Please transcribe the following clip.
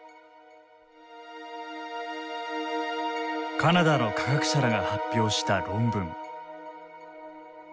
カナダの科学者らが発表した論文。